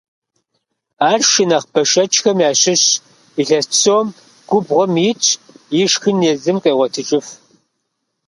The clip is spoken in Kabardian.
Ар шы нэхъ бэшэчхэм ящыщщ, илъэс псом губгъуэм итщ, и шхын езым къегъуэтыжыф.